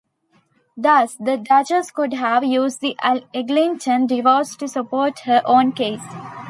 Thus, the Duchess could have used the Eglinton divorce to support her own case.